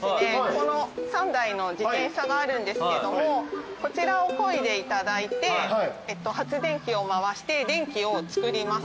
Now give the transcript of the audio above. この３台の自転車があるんですけどもこちらをこいでいただいて発電機を回して電気をつくります。